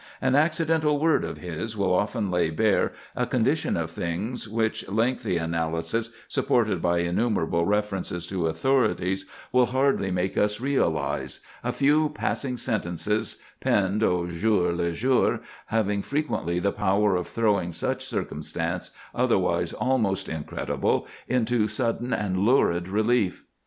An accidental word of his will often lay bare a condition of things which lengthy analysis, supported by innumerable references to authorities will hardly make us realize, a few passing sentences, penned au jour le jour, having frequently the power of throwing some circumstance, otherwise almost incredible, into sudden and lurid relief.